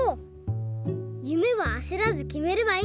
ゆめはあせらずきめればいいんだね。